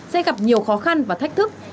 sẽ gặp nhiều khó khăn và thách thức